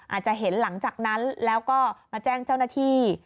อาจจะเห็นหลังจากนั้นแล้วก็มาแจ้งเจ้าหน้าที่